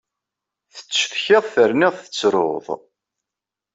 Tattcetkiḍ terniḍ tettruḍ.